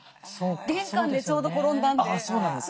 玄関でちょうど転んだんで。